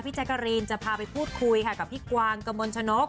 พี่แจกรีนจะพาไปพูดคุยค่ะกับพี่กวางกะมนต์ชนก